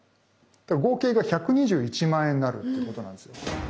だから合計が１２１万円になるということなんですよ。